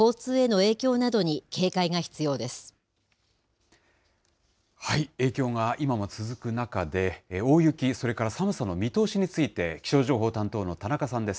影響が今も続く中で、大雪、それから寒さの見通しについて、気象情報担当の田中さんです。